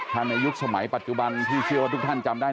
ถ้าในยุคสมัยปัจจุบันที่เชื่อว่าทุกท่านจำได้